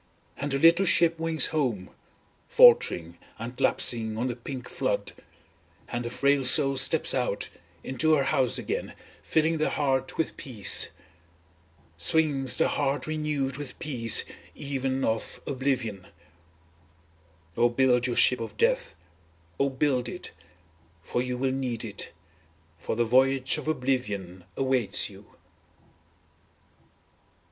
And the little ship wings home, faltering and lapsing on the pink flood, and the frail soul steps out, into the house again filling the heart with peace. Swings the heart renewed with peace even of oblivion. Oh build your ship of death. Oh build it! for you will need it. For the voyage of oblivion awaits you.